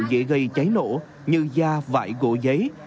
những vật liệu dễ gây cháy nổ như da vải gỗ giấy